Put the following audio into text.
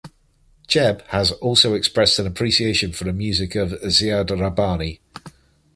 Cheb has also expressed an appreciation for the music of Ziad Rahbani.